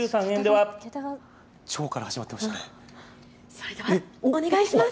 それではお願いします。